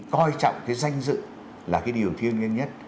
coi trọng cái danh dự là cái điều thiêng nhân nhất